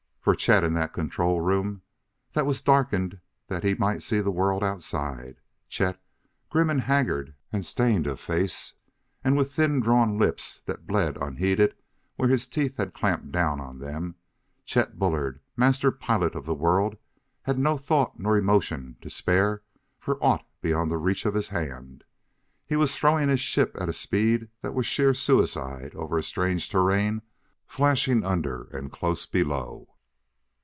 For Chet in that control room that was darkened that he might see the world outside Chet, grim and haggard and stained of face and with thin drawn lips that bled unheeded where his teeth had clamped down on them Chet Bullard, Master Pilot of the World, had no thought nor emotion to spare for aught beyond the reach of his hand. He was throwing his ship at a speed that was sheer suicide over a strange terrain flashing under and close below.